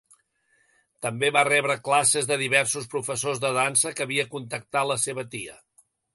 També va rebre classes de diversos professors de dansa que havia contractat la seva tia.